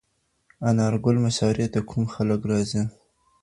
د انار ګل مشاعرې ته کوم خلګ راځي؟